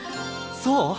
そう？